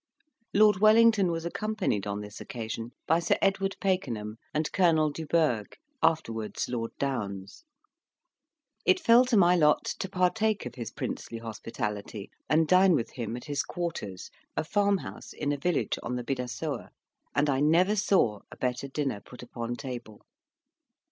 Lord Wellington was accompanied on this occasion by Sir Edward Pakenham and Colonel du Burgh, afterwards Lord Downes. It fell to my lot to partake of his princely hospitality and dine with him at his quarters, a farmhouse in a village on the Bidassoa, and I never saw a better dinner put upon table.